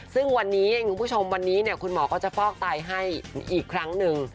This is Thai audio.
ซึ่งวันนี้เองคุณผู้ชมวันนี้คุณหมอก็จะฟอกไตให้อีกครั้งหนึ่ง